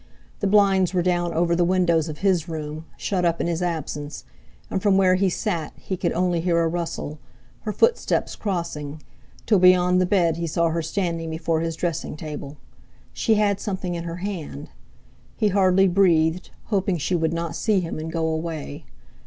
The blinds were down over the windows of his room, shut up in his absence, and from where he sat he could only hear a rustle, her footsteps crossing, till beyond the bed he saw her standing before his dressing table. She had something in her hand. He hardly breathed, hoping she would not see him, and go away.